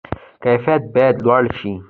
کیفیت باید لوړ شي